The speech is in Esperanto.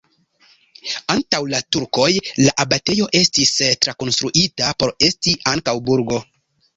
Antaŭ la turkoj la abatejo estis trakonstruita por esti ankaŭ burgo.